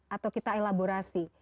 atau kita elaborasi